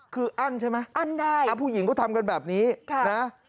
คืออั้นใช่ไหมอั้นได้ผู้หญิงก็ทำกันแบบนี้นะ